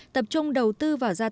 tập trung đầu tư và gia tăng kinh tế